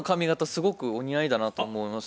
すごくお似合いだなと思います。